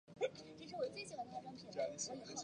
我弟又闹着要回家打游戏。